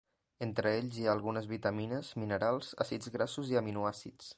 Entre ells hi ha algunes vitamines, minerals, àcids grassos i aminoàcids.